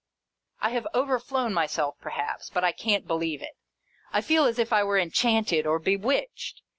" I have overflown myself, perhaps, but I can't believe it. I feel as if I were enchanted or bewitched.